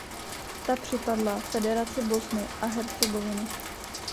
Ta připadla Federaci Bosny a Hercegoviny.